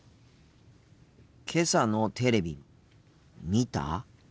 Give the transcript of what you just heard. けさのテレビ見た？